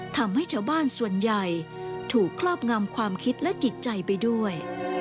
ทำให้ชาวบ้านส่วนใหญ่ถูกครอบงำความคิดและจิตใจไปด้วย